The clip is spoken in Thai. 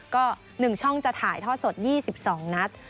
ก็๑ช่องจะถ่ายทอดสด๒๒นัด